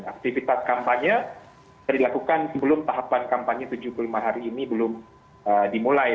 aktivitas kampanye dilakukan sebelum tahapan kampanye tujuh puluh lima hari ini belum dimulai